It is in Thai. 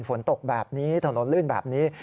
ฝนตกแบบนี้ถนนลื่นแบบนี้